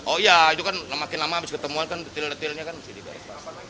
oh iya itu kan makin lama habis ketemuan kan detail detailnya kan mesti dibare